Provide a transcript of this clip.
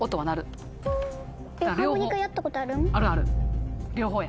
あるある。